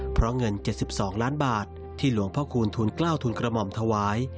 เพราะเงิน๗๒ล้านบาทที่หลวงพ่อคูณทุนกล้าวทุนกระหม่อมถวาย